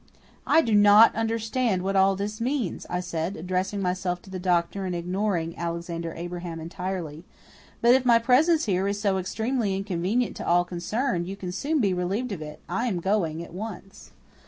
"I do not understand what all this means," I said addressing myself to the doctor and ignoring Alexander Abraham entirely, "but if my presence here is so extremely inconvenient to all concerned, you can soon be relieved of it. I am going at once."